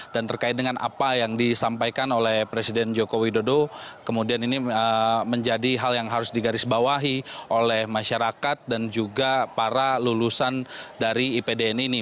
dan terkait dengan apa yang disampaikan oleh presiden joko widodo kemudian ini menjadi hal yang harus digarisbawahi oleh masyarakat dan juga para lulusan dari ipdn ini